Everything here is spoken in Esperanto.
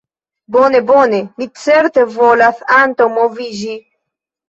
"Bone, bone. Mi certe volas antaŭmoviĝi."